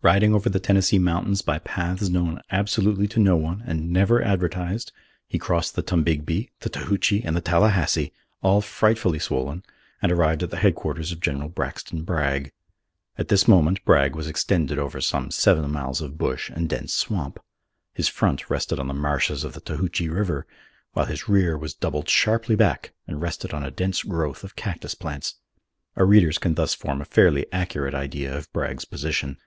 Riding over the Tennessee mountains by paths known absolutely to no one and never advertised, he crossed the Tombigbee, the Tahoochie and the Tallahassee, all frightfully swollen, and arrived at the headquarters of General Braxton Bragg. At this moment Bragg was extended over some seven miles of bush and dense swamp. His front rested on the marshes of the Tahoochie River, while his rear was doubled sharply back and rested on a dense growth of cactus plants. Our readers can thus form a fairly accurate idea of Bragg's position.